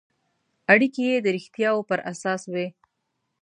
اړیکې یې د رښتیاوو پر اساس وي.